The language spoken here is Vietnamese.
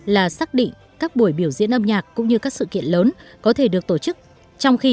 là xác định các buổi biểu diễn âm nhạc cũng như các sự kiện lớn có thể được tổ chức trong khi